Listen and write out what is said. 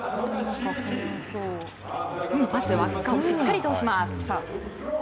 パスは輪っかをしっかり通します。